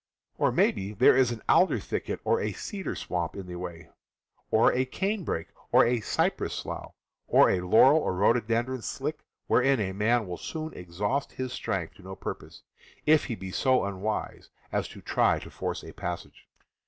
Or maybe there is an alder thicket or a cedar swamp in the way, or a canebrake or a cypress slough, or a laurel or rhododendron "slick," wherein a man will soon exhaust his strength to no purpose, if he be so unwise as to try to force a passage.